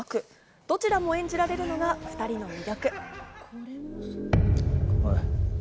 どちらも演じられるのが２人の魅力。